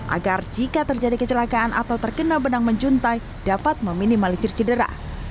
agar jika terjadi kecelakaan atau terkena benang menjuntai dapat meminimalisir cedera